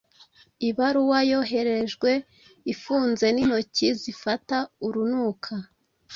Ibaruwa-yoherejwe ifunzenintoki zifata urunuka